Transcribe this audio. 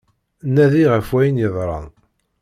Nadi ɣef wayen yeḍran.